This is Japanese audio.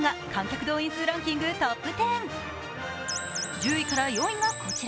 １０位から４位がこちら。